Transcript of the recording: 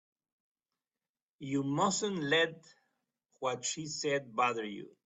You mustn't let what she said bother you.